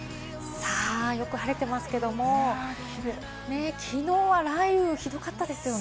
よく晴れていますけれども、きのうは雷雨、ひどかったですよね。